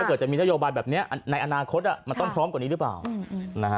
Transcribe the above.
เกิดจะมีนโยบายแบบนี้ในอนาคตมันต้องพร้อมกว่านี้หรือเปล่านะฮะ